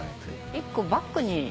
１個バッグにね